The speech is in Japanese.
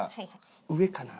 上かな？